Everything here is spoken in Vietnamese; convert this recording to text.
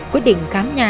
quyết định khám nhà